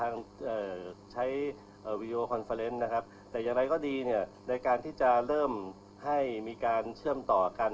ในการที่จะเริ่มให้มีการเชื่อมต่อกัน